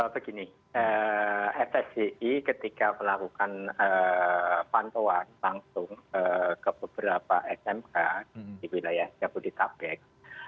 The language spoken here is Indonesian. begini fsgi ketika melakukan pantauan langsung ke beberapa smk di wilayah jabodetabek